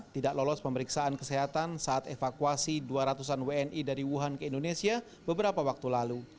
tidak lolos pemeriksaan kesehatan saat evakuasi dua ratus an wni dari wuhan ke indonesia beberapa waktu lalu